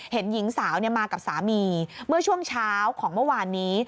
เห็นหญิงสาวมากับสามีเมื่อช่วงเช้าของเมื่อวานนี้